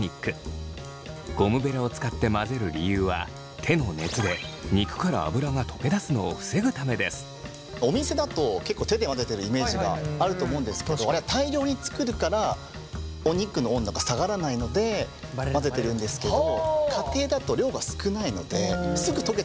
ゴムベラを使って混ぜる理由は手の熱でお店だと結構手で混ぜてるイメージがあると思うんですけどあれは大量に作るからお肉の温度が下がらないので混ぜてるんですけど家庭だと量が少ないのですぐ溶けちゃうんですね